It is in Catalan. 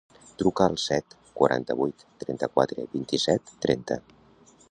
Truca al set, quaranta-vuit, trenta-quatre, vint-i-set, trenta.